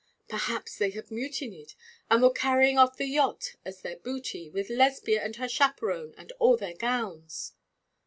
Perhaps they had mutinied, and were carrying off the yacht as their booty, with Lesbia and her chaperon, and all their gowns.